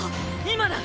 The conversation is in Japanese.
今だ！